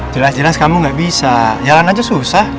jelas jelas kamu nggak bisa jalan aja susah